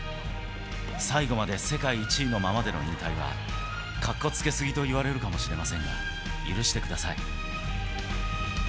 最後まで世界１位のままでの引退は、かっこつけすぎといわれるかもしれませんが、許してください。